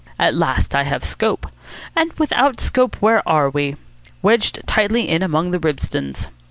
At last I have Scope. And without Scope, where are we? Wedged tightly in among the ribstons.